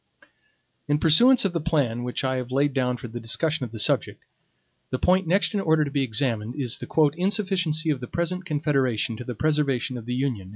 In pursuance of the plan which I have laid down for the discussion of the subject, the point next in order to be examined is the "insufficiency of the present Confederation to the preservation of the Union."